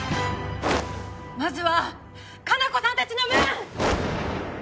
まずは加奈子さんたちの分！